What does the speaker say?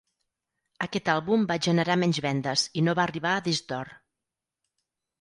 Aquest àlbum va generar menys vendes i no va arribar a disc d'or.